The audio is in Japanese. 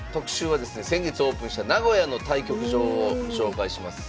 先月オープンした名古屋の対局場をご紹介します。